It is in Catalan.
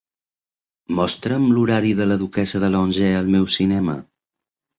Mostra'm l'horari de La Duquessa de Langeais al meu cinema